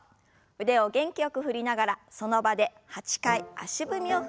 腕を元気よく振りながらその場で８回足踏みを踏みます。